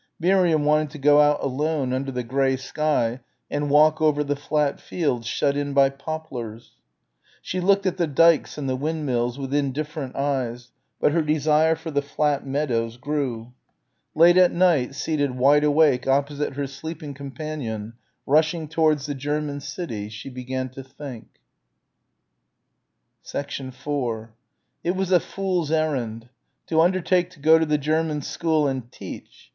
Miriam wanted to go out alone under the grey sky and walk over the flat fields shut in by poplars. She looked at the dykes and the windmills with indifferent eyes, but her desire for the flat meadows grew. Late at night, seated wide awake opposite her sleeping companion, rushing towards the German city, she began to think. 4 It was a fool's errand.... To undertake to go to the German school and teach ...